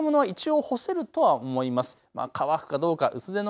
ですから洗濯物は一応、干せるとは思います。